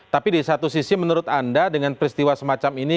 tapi di satu sisi menurut anda dengan peristiwa semacam ini